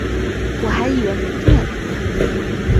我还以为没电